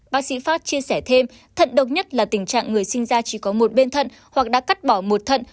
bác sĩ pháp chia sẻ thêm thận độc nhất là tình trạng người sinh ra chỉ có một bên thận hoặc đã cắt bỏ một thận